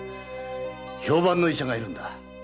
評判の医者がいるんだ。